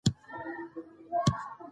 که ډنډونه جوړ کړو نو اوبه نه تښتي.